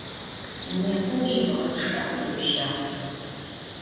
Nêpe jıbğe ççı'e khêpşağ.